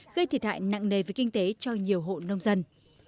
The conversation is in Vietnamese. gây thiệt hại nặng nề về kinh tế cho nhiều hộ nông dân